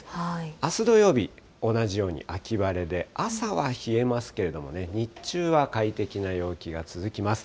あす土曜日、同じように秋晴れで、朝は冷えますけれども、日中は快適な陽気が続きます。